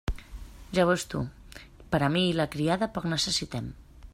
Ja veus tu, per a mi i la criada poc necessitem.